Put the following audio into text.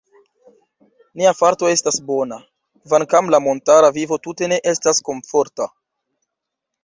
Nia farto estas bona, kvankam la montara vivo tute ne estas komforta.